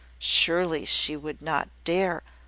"Surely she would not dare